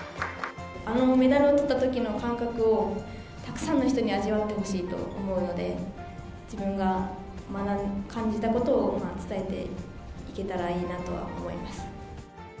あのメダルをとったときの感覚を、たくさんの人に味わってほしいと思うので、自分が感じたことを伝えていけたらいいなとは思います。